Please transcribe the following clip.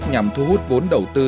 nhằm thu hút vốn đầu tư